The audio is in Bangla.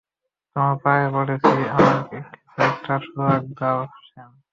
তোমার পা-এ পড়ছি, আমায় কিছু একটা সুরাখ দাও, স্যাম।